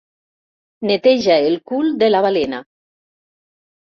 Neteja el cul de la balena.